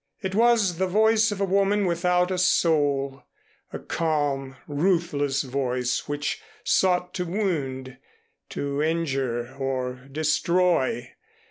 It was the voice of a woman without a soul a calm, ruthless voice which sought to wound, to injure or destroy.